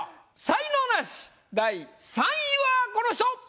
才能ナシ第３位はこの人！